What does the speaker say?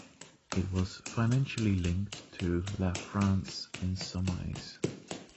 It was financially linked to La France insoumise.